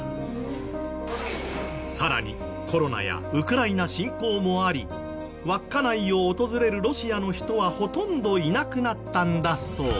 さらにコロナやウクライナ侵攻もあり稚内を訪れるロシアの人はほとんどいなくなったんだそう。